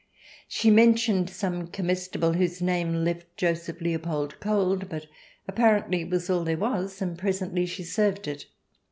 She mentioned some comestible whose name left Joseph Leopold cold, but apparently it was all there was, and presently she served it.